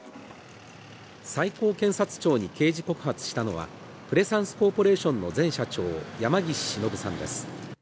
最高検察庁に刑事告発したのはプレサンスコーポレーションの前社長、山岸忍さんです。